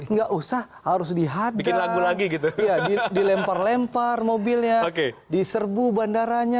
nggak usah harus dihadang dilempar lempar mobilnya diserbu bandaranya